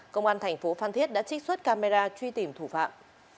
công an thành phố phan thiết đã trích xuất camera truy tìm thủ phạm